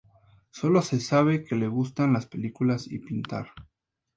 Sólo se sabe que le gustan las películas y pintar.